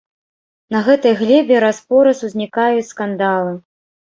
На гэтай глебе раз-пораз узнікаюць скандалы.